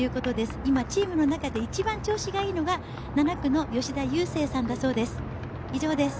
今チームの中で一番調子がいいのが７区の吉田裕晟さんだそうです。